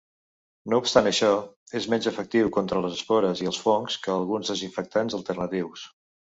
No obstant això, és menys efectiu contra les espores i els fongs que alguns desinfectants alternatius.